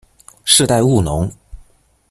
世代务农。